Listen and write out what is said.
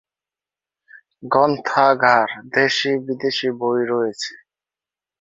গ্রন্থাগার দেশী-বিদেশী বই রয়েছে।